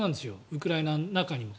ウクライナの中にも。